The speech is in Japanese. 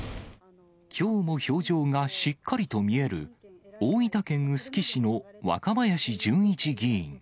きょうも表情がしっかりと見える、大分県臼杵市の若林純一議員。